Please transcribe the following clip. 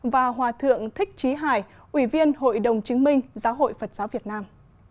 và hòa thượng thích trí hải ủy viên hội đồng chứng minh giáo hội phật giáo việt nam